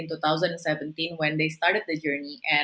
saat mereka memulai perjalanan